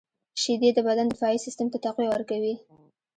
• شیدې د بدن دفاعي سیسټم ته تقویه ورکوي.